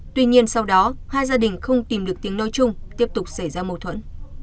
tuy nhiên sau đó hai gia đình không tìm được tiếng nói chung tiếp tục xảy ra mâu thuẫn